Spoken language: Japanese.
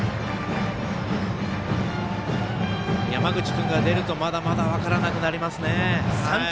山口君が出るとまだまだ分からなくなりますね。